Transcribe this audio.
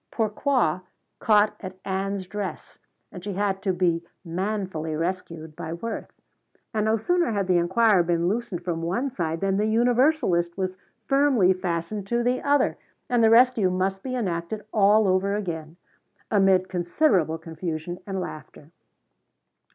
Pourquoi caught at Ann's dress and she had to be manfully rescued by Worth. And no sooner had the inquirer been loosened from one side than the universalist was firmly fastened to the other and the rescue must be enacted all over again, amid considerable confusion and laughter.